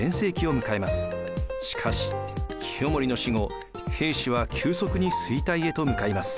しかし清盛の死後平氏は急速に衰退へと向かいます。